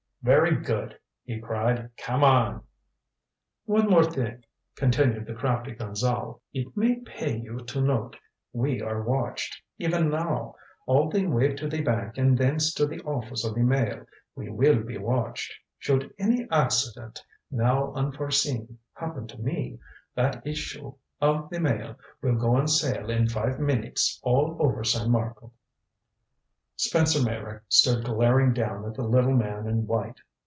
"Very good," he cried. "Come on." "One thing more," continued the crafty Gonzale. "It may pay you to note we are watched. Even now. All the way to the bank and thence to the office of the Mail we will be watched. Should any accident, now unforeseen, happen to me, that issue of the Mail will go on sale in five minutes all over San Marco." Spencer Meyrick stood glaring down at the little man in white.